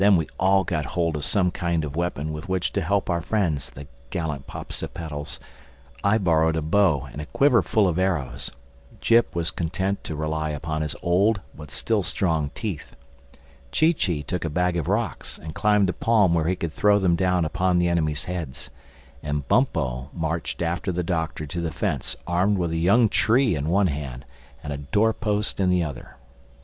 Then we all got hold of some kind of weapon with which to help our friends, the gallant Popsipetels: I borrowed a bow and a quiver full of arrows; Jip was content to rely upon his old, but still strong teeth; Chee Chee took a bag of rocks and climbed a palm where he could throw them down upon the enemies' heads; and Bumpo marched after the Doctor to the fence armed with a young tree in one hand and a door post in the other.